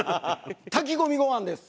炊き込みご飯です。